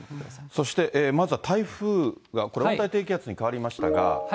そしてまずは台風が、これ、温帯低気圧に変わりましたが。